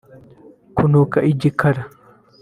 kunuka Igikara